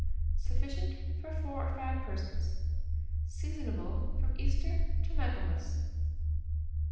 Sufficient for 4 or 5 persons. Seasonable from Easter to Michaelmas.